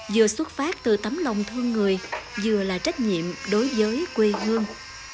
vừa xuất phát từ tấm lòng thương người vừa là trách nhiệm đối với quê hương